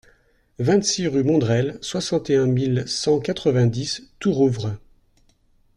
vingt-six rue Mondrel, soixante et un mille cent quatre-vingt-dix Tourouvre